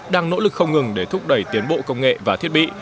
đang nỗ lực không ngừng để thúc đẩy tiến bộ công nghệ và thiết bị